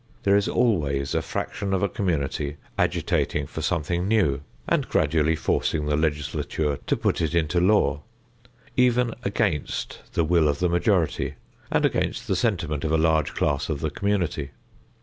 There is always a fraction of a community agitating for something new and gradually forcing the Legislature to put it into law, even against the will of the majority and against the sentiment of a large class of the community.